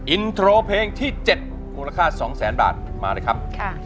อินโทรเพลงที่๗มูลค่า๒แสนบาทมาเลยครับ